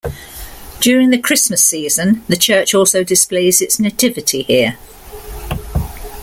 During the Christmas season, the church also displays its Nativity here.